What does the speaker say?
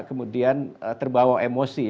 kemudian terbawa emosi